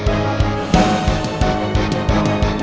oh anak mama